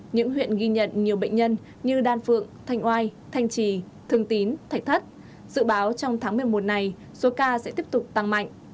những huyện ghi nhận nhiều bệnh nhân như đan phượng thanh oai thanh trì thường tín thạch thất dự báo trong tháng một mươi một này số ca sẽ tiếp tục tăng mạnh